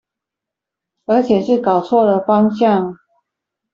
而且是搞錯了方向